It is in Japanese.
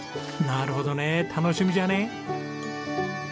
なるほどね楽しみじゃね。